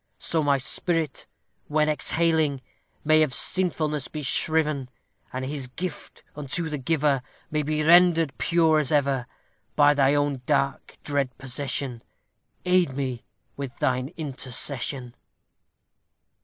So my spirit, when exhaling, May of sinfulness be shriven, And His gift unto the Giver May be rendered pure as ever! By thy own dark, dread possession, Aid me with thine intercession!